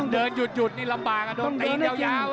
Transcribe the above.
เดินหยุดนี่ลำบากต้องเตะอีกยาว